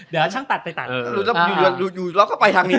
เดี๋ยวช่างตัดไปตัดอยู่เราก็ไปทางนี้